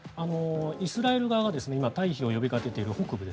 イスラエル側が今、退避を呼びかけている北部